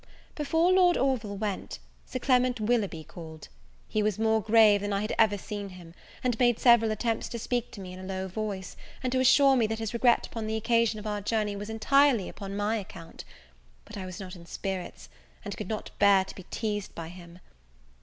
Before Lord Orville went, Sir Clement Willoughby called. He was more grave than I had ever seen him; and made several attempts to speak to me in a low voice, and to assure me that his regret upon the occasion of our journey was entirely upon my account. But I was not in spirits, and could not bear to be teased by him.